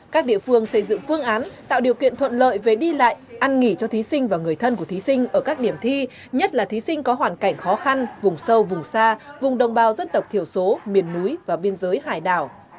các địa phương xây dựng phương án tạo điều kiện thuận lợi về đi lại ăn nghỉ cho thí sinh và người thân của thí sinh ở các điểm thi nhất là thí sinh có hoàn cảnh khó khăn vùng sâu vùng xa vùng đồng bào dân tộc thiểu số miền núi và biên giới hải đảo